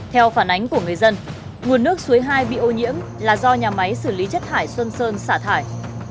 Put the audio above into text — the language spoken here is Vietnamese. theo phản ánh của người dân nguồn nước suối hai bị ô nhiễm là do nhà máy xử lý chất thải xuân sơn xả thải